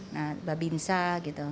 nah babinsa gitu